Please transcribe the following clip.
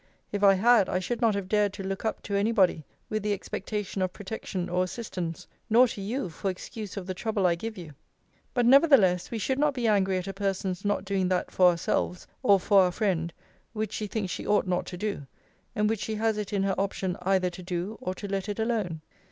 If I had, I should not have dared to look up to any body with the expectation of protection or assistance, nor to you for excuse of the trouble I give you. But nevertheless we should not be angry at a person's not doing that for ourselves, or for our friend, which she thinks she ought not to do; and which she has it in her option either to do, or to let it alone.